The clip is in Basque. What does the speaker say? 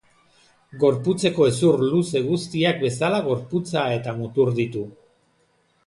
Gorputzeko hezur luze guztiak bezala gorputza eta mutur ditu.